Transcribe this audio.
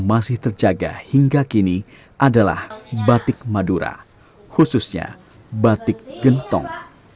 masih terjaga hingga kini adalah batik madura khususnya batik gentong